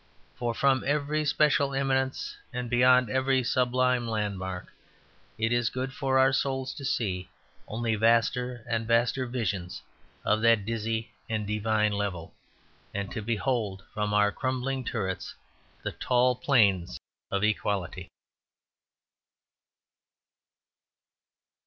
For from every special eminence and beyond every sublime landmark, it is good for our souls to see only vaster and vaster visions of that dizzy and divine level; and to behold from our crumbling turrets the tall plains of equality.